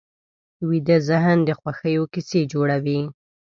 ویده ذهن د خوښیو کیسې جوړوي